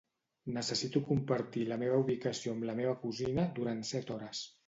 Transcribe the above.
Necessito compartir la meva ubicació amb la meva cosina durant set hores.